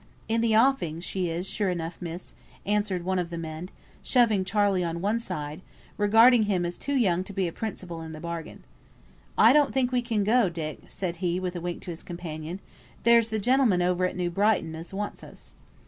"In the offing she is, sure enough, miss," answered one of the men, shoving Charley on one side, regarding him as too young to be a principal in the bargain. "I don't think we can go, Dick," said he, with a wink to his companion; "there's the gentleman over at New Brighton as wants us."